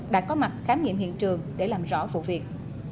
đã có mặt khám nghiệm hiện trường để làm rõ vụ việc